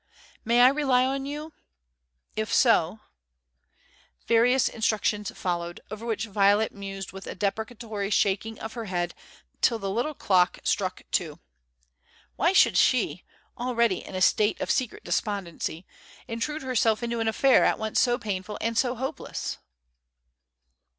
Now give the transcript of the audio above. May I rely on you? If so Various instructions followed, over which Violet mused with a deprecatory shaking of her head till the little clock struck two. Why should she, already in a state of secret despondency, intrude herself into an affair at once so painful and so hopeless?